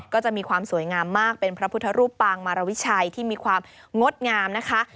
ก็จะมีความสวยงามมากเป็นพระพุทธรูปปางมารวิชัยที่มีความงดงามนะคะ